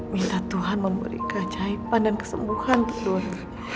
minta tuhan memberi keajaiban dan kesembuhan untuk doni